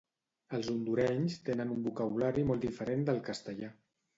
Els Hondurenys tenen un vocabulari molt diferent del castellà